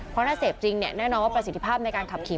เพราะถ้าเสพจริงเนี่ยแน่นอนว่าประสิทธิภาพในการขับขี่